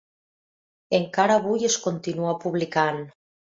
Encara avui es continua publicant.